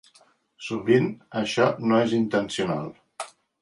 Sovint, això no és intencional.